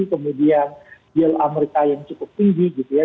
kemudian yield amerika yang cukup tinggi gitu ya